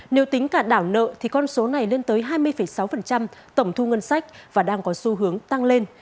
nếu tính cả đảo nợ thì con số này lên tới hai mươi sáu tổng thu ngân sách và đang có xu hướng tăng lên